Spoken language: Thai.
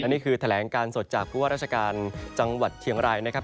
นี่คือแถลงการสดจากผู้ว่าราชการจังหวัดเชียงรายนะครับ